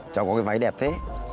cháu có cái váy đẹp thế